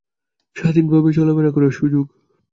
স্বাধীনভাবে চলাফেরা করার সুযোগ।